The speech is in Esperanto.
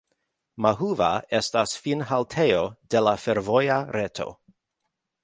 Mahuva estas finhaltejo de la fervoja reto.